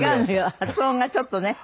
発音がちょっとね。